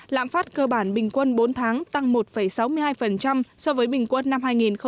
lãm phát cơ bản bình quân bốn tháng tăng một sáu mươi hai so với bình quân năm hai nghìn một mươi tám